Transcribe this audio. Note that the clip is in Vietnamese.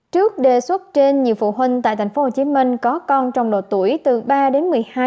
trước đề xuất trên nhiều phụ huynh tại tp hcm có con trong độ tuổi từ ba đến một mươi hai